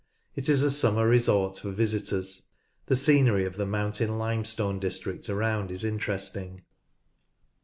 It is a summer resort for visitors. The scenery of the Mountain Limestone district around is interesting, (p.